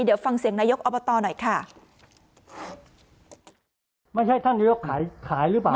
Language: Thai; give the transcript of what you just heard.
เดี๋ยวฟังเสียงนายกอบตหน่อยค่ะไม่ใช่ท่านนายกขายขายหรือเปล่า